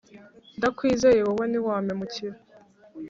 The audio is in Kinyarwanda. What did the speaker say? ndakwizeye wowe ntiwampemukira.